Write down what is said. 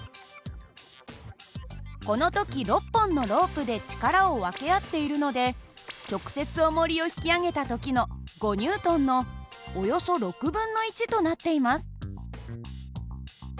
この時６本のロープで力を分け合っているので直接おもりを引き上げた時の５Ｎのおよそ６分の１となっています。